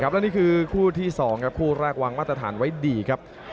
และนี่คือคู่ที่๒ครับคู่แรกวางมาตรฐานไว้ดีครับ